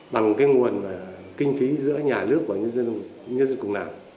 bằng cái nguồn kinh phí giữa nhà nước và nhân dân cùng nào